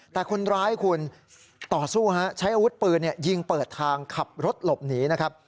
แต่คนร้ายคุณต่อสู้ฮะใช้อาวุธปืนยิงเปิดทางขับรถหลบหนีนะครับ